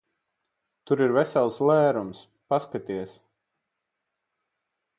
Tur ir vesels lērums. Paskaties!